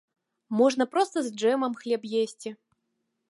Можна проста з джэмам хлеб есці.